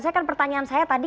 saya kan pertanyaan saya tadi